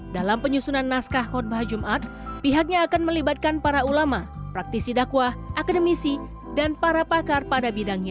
dalam penyusunan naskah khutbah jumat pihaknya akan melibatkan para ulama praktisi dakwah akademisi dan para pakar pada bidangnya